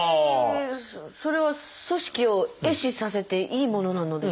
それは組織を壊死させていいものなのですか？